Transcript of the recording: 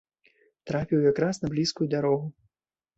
Трапіў якраз на блізкую дарогу.